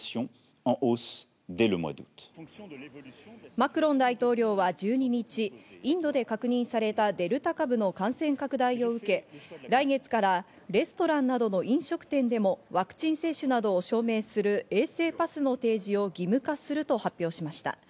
マクロン大統領は１２日、インドで確認されたデルタ株の感染拡大を受け、来月からレストランなどの飲食店でもワクチン接種などを証明する衛生パスの提示を義務化すると発表しました。